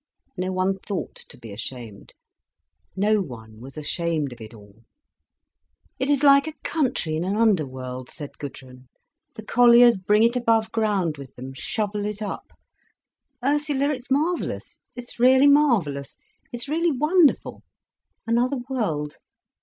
No one thought to be ashamed. No one was ashamed of it all. "It is like a country in an underworld," said Gudrun. "The colliers bring it above ground with them, shovel it up. Ursula, it's marvellous, it's really marvellous—it's really wonderful, another world.